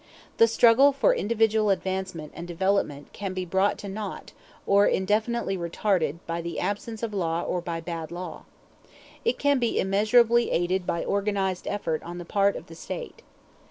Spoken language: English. The struggle for individual advancement and development can be brought to naught, or indefinitely retarded, by the absence of law or by bad law. It can be immeasurably aided by organized effort on the part of the State.